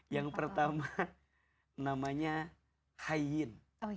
yang pertama namanya hayyin